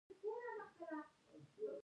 د پیاز تخم کله وکرم؟